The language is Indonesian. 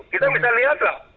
kita bisa lihat lah